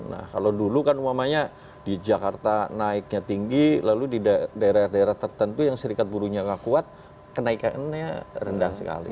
nah kalau dulu kan umpamanya di jakarta naiknya tinggi lalu di daerah daerah tertentu yang serikat buruhnya nggak kuat kenaikannya rendah sekali